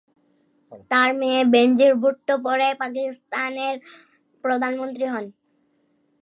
তার মেয়ে বেনজির ভুট্টো পরে পাকিস্তানের প্রধানমন্ত্রী হন।